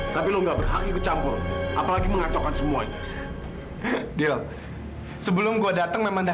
sampai jumpa di video selanjutnya